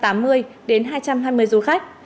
từ một trăm tám mươi đến hai trăm hai mươi du khách